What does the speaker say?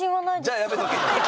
じゃあやめとけ。